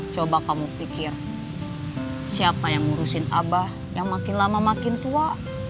coba kamu pikir siapa yang ngurusin abah yang makin lama makin tua